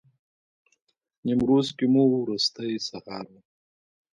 نیمروز کې مو وروستی سهار و.